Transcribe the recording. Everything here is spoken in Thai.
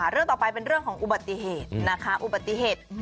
เรื่องต่อไปเป็นเรื่องของอุบัติเหตุนะคะอุบัติเหตุ